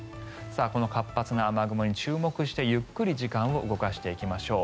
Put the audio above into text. この活発な雨雲に注目してゆっくり時間を動かしていきましょう。